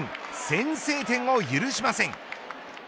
先制点を許しません。